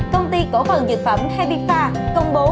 công ty cổ phần dược phẩm habifar công bố